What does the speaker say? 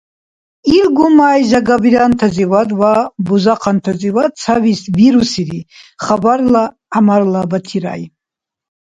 Ил гумай жагабирантазивад ва бузахъантазивад ца вирусири хабарла Гӏямарла Батирай.